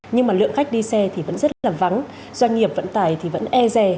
nhưng mà lượng khách đi xe thì vẫn rất rất là vắng doanh nghiệp vận tải thì vẫn e rè